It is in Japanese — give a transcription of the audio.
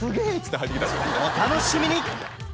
お楽しみに！